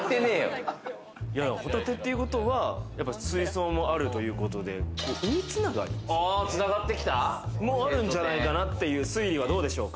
ホタテっていうことは水槽もあるということで、海つながり？もあるんじゃないかなという推理は、どうでしょうか。